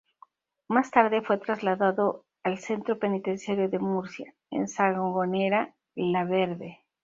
Más tarde fue trasladado al Centro Penitenciario de Murcia, en Sangonera la Verde.